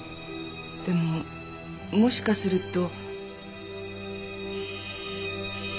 でももしかすると。